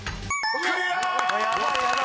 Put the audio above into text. ［クリア！］